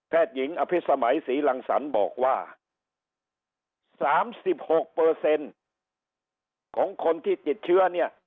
หญิงอภิษมัยศรีรังสรรค์บอกว่า๓๖ของคนที่ติดเชื้อเนี่ย